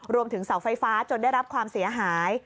รวมถึงเสาไฟฟ้าจนได้รับความเสียหาย